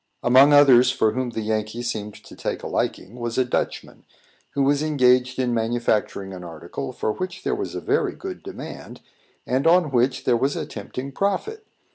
Among others for whom the Yankee seemed to take a liking, was a Dutchman, who was engaged in manufacturing an article for which there was a very good demand, and on which there was a tempting profit.